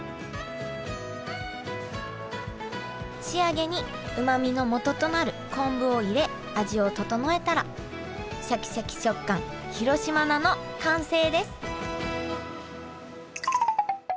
仕上げにうまみのもととなる昆布を入れ味を調えたらシャキシャキ食感広島菜の完成です